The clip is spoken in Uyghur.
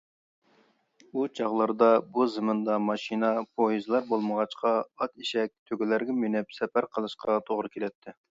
ئۇ چاغلاردا بۇ زېمىندا ماشىنا، پويىزلار بولمىغاچقا، ئات، ئېشەك، تۆگىلەرگە مىنىپ سەپەر قىلىشقا توغرا كېلەتتى.